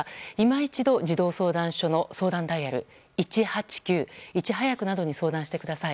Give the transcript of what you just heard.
一度、児童相談所の相談ダイヤル１８９などに相談してください。